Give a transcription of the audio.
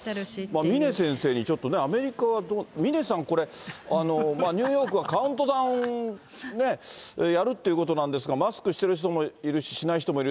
峰先生、ちょっとね、峰さん、これ、ニューヨークはカウントダウンね、やるっていうことなんですが、マスクしてる人もいるし、しない人もいる。